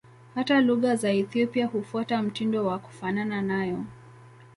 Hata lugha za Ethiopia hufuata mtindo wa kufanana nayo.